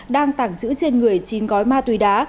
đang tàng trữ trên người chín gói ma túy đá